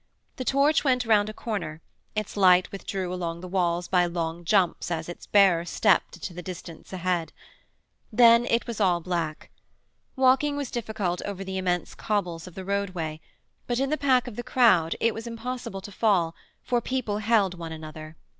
The torch went round a corner, its light withdrew along the walls by long jumps as its bearer stepped into the distance ahead. Then it was all black. Walking was difficult over the immense cobbles of the roadway, but in the pack of the crowd it was impossible to fall, for people held one another.